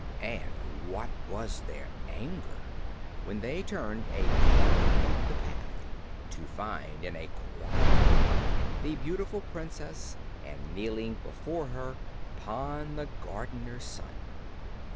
And what was their anger, when they turned a corner of the path, to find in a quiet nook the beautiful Princess, and kneeling before her, Pon, the gardener's boy!